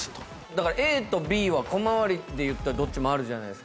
だからＡとＢは小回りで言ったらどっちもあるじゃないですか。